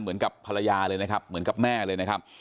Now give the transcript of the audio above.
เหมือนกับภรรยาเลยนะครับเหมือนกับแม่เลยนะครับ